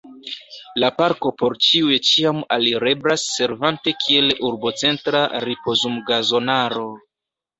La parko por ĉiuj ĉiam alireblas servante kiel urbocentra ripozumgazonaro.